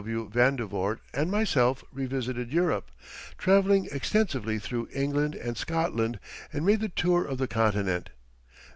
W. Vandevort, and myself revisited Europe, traveling extensively through England and Scotland, and made the tour of the Continent.